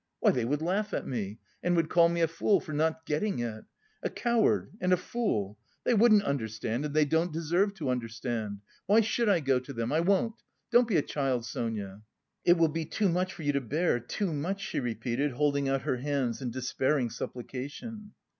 "Why, they would laugh at me, and would call me a fool for not getting it. A coward and a fool! They wouldn't understand and they don't deserve to understand. Why should I go to them? I won't. Don't be a child, Sonia...." "It will be too much for you to bear, too much!" she repeated, holding out her hands in despairing supplication.